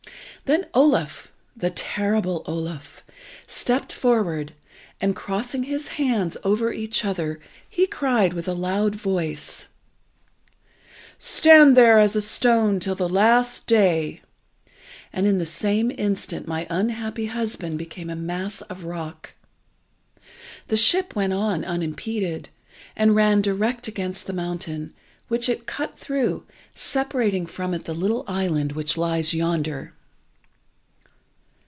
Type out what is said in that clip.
Then Oluf, the terrible Oluf, stepped forward, and, crossing his hands over each other, he cried with a loud voice " "'Stand there as a stone till the last day!' and in the same instant my unhappy husband became a mass of rock. The ship went on unimpeded, and ran direct against the mountain, which it cut through, separating from it the little island which lies yonder."